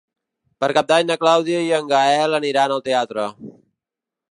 Per Cap d'Any na Clàudia i en Gaël aniran al teatre.